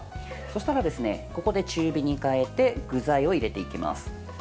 そうしたら、ここで中火に変えて具材を入れていきます。